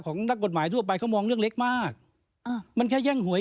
ก็มันมีคนทำให้มันมีปัญหาไง